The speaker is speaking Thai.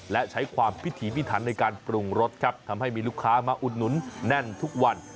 และใช้ความพิถีพิถันในการปรุงรสครับทำให้มีลูกค้ามาอุดหนุนแน่นทุกวัน